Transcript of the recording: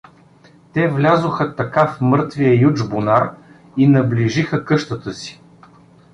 Те влязоха така в мъртвия Ючбунар и наближиха къщата си.